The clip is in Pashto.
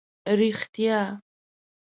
رښتیا.